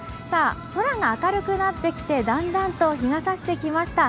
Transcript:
空が明るくなってきてだんだんと日がさしてきました。